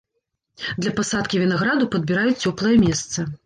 Для пасадкі вінаграду падбіраюць цёплае месца.